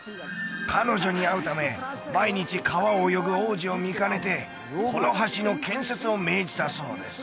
彼女に会うため毎日川を泳ぐ王子を見かねてこの橋の建設を命じたそうです